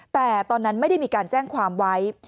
แต่ตอนนั้นไม่ได้มีการแจ้งความไว้